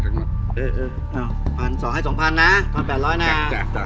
เออเออเออพันสิงสองให้สองพันนะพันแปดร้อยนะจั้นจ้ะ